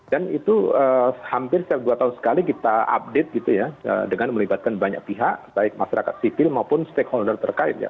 dan itu hampir setiap dua tahun sekali kita update gitu ya dengan melibatkan banyak pihak baik masyarakat sivil maupun stakeholder terkait ya